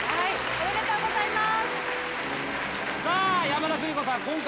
おめでとうございます。